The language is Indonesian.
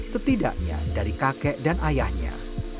setidaknya dari kakek dan ayahnya